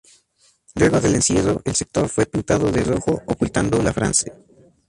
Luego del encierro, el sector fue pintado de rojo ocultando la frase.